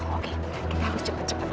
oke kita harus cepat cepat